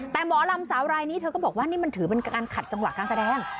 แต่หมอลำสาวรายนี้เธอก็บอกว่านี่มันถือเป็นการขัดจังหวะการแสดง